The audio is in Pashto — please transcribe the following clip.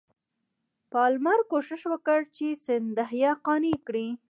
پالمر کوښښ وکړ چې سیندهیا قانع کړي.